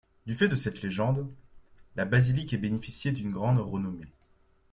Du fait de cette légende, la basilique a bénéficié d'une grande renommée.